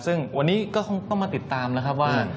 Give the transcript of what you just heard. ซึ่งวันนี้ก็คงต้องมาติดตามนะครับว่า